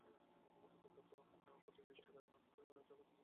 আমরাই নিজেদের স্বর্গ সৃষ্টি করি, এবং নরককেও স্বর্গে পরিণত করিতে পারি।